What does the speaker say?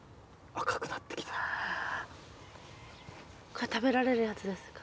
これ食べられるやつですか？